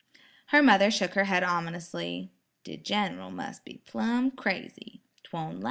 Her mother shook her head ominously. "De Gin'ral mus' be plum crazy. 'Twon' las'."